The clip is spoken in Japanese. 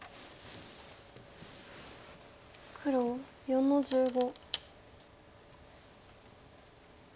黒４の十五。